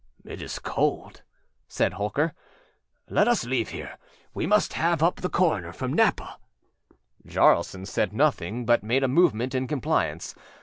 â âIt is cold,â said Holker; âlet us leave here; we must have up the coroner from Napa.â Jaralson said nothing, but made a movement in compliance.